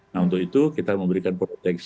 nah untuk itu kita memberikan perhatian khusus